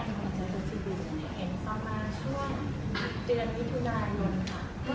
เห็นตอนช่วงเดือนวิทุนายนค่ะ